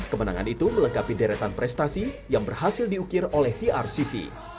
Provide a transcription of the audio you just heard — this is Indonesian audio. kemenangan itu melengkapi deretan prestasi yang berhasil diukir oleh trcc